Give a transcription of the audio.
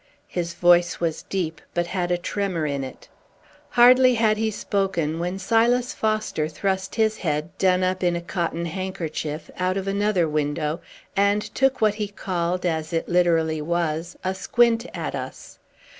His voice was deep, but had a tremor in it, Hardly had he spoken, when Silas Foster thrust his head, done up in a cotton handkerchief, out of another window, and took what he called as it literally was a squint at us.